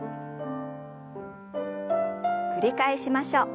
繰り返しましょう。